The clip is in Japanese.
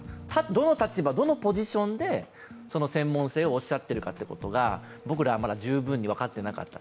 どの立場、どのポジションで専門性をおっしゃっているかということは僕らはまだ十分に分かっていなかった。